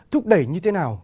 thúc đẩy như thế nào